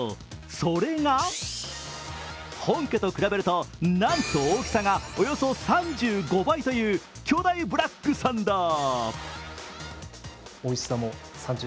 それが本家と比べると、なんと大きさがおよそ３５倍という巨大ブラックサンダー。